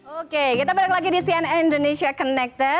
oke kita balik lagi di cnn indonesia connected